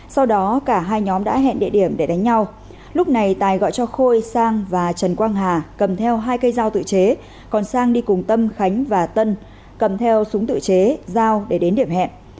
sau đó cả hai nhóm đã hẹn địa điểm để đánh nhau lúc này tài gọi cho khôi sang và trần quang hà cầm theo hai cây dao tự chế còn sang đi cùng tâm khánh và tân cầm theo súng tự chế dao để đến điểm hẹn